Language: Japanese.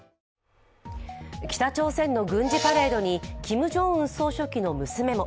北朝鮮の軍事パレードにキム・ジョンウン総書記の娘も。